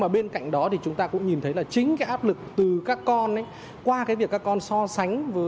trần thanh nguyên